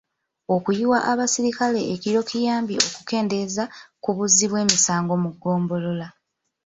Okuyiwa abasirikale ekiro kiyambye okukendeeza ku buzzi bw'emisango mu ggombolola.